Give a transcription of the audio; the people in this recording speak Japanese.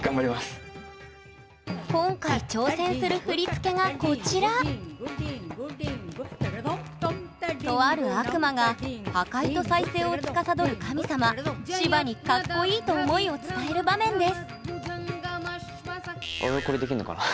今回挑戦する振り付けがこちらとある悪魔が破壊と再生をつかさどる神様シヴァにかっこいいと思いを伝える場面です